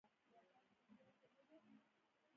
پرته له افغانانو بل هېڅ ملت په دې ډول خرافاتو نه ځورېږي.